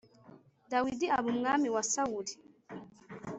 dawidi aba umwami wa sawuri